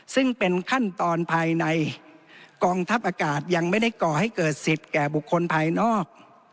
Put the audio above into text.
ซึ่งเป็นขั้นตอนภายในกองทัพอากาศยังไม่ได้ก่อให้เกิดสิทธิ์แก่บุคคลภายนอก